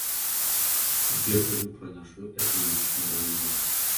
Тут я кажу пра нашу эканамічную арганізацыю.